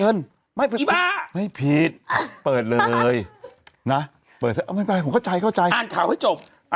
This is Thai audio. เอาเชิญไม่ผิดเปิดเลยอ่านข่าวให้จบ